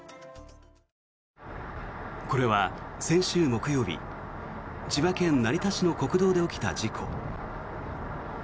これは先週木曜日千葉県成田市の国道で起きた事故。